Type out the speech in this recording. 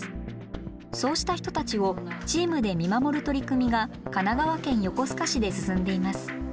そうした人たちをチームで見守る取り組みが神奈川県横須賀市で進んでいます。